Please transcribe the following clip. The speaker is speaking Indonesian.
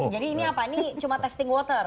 jadi ini apa ini cuman testing water